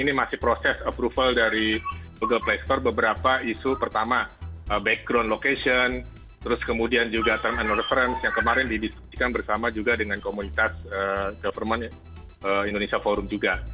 ini masih proses approval dari google play store beberapa isu pertama background location terus kemudian juga term and reference yang kemarin didiskusikan bersama juga dengan komunitas government indonesia forum juga